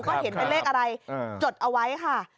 ก็เห็นเป็นเลขอะไรจดเอาไว้ค่ะ